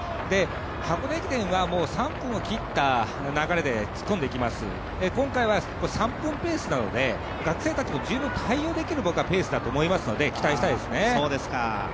箱根駅伝は３分を切った流れで突っ込んできます、今回は３分ペースなので学生たちも十分対応できるペースだと思いますので期待したいですね。